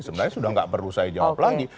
sebenarnya sudah tidak perlu saya jawab lagi